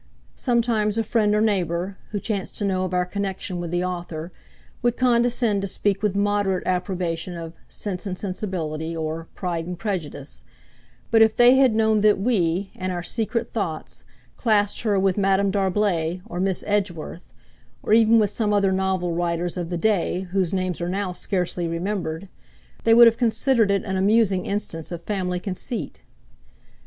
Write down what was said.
Sometimes a friend or neighbour, who chanced to know of our connection with the author, would condescend to speak with moderate approbation of 'Sense and Sensibility,' or 'Pride and Prejudice'; but if they had known that we, in our secret thoughts, classed her with Madame D'Arblay or Miss Edgeworth, or even with some other novel writers of the day whose names are now scarcely remembered, they would have considered it an amusing instance of family conceit.